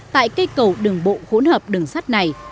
tại cây cầu đường bộ hỗn hợp đường sắt này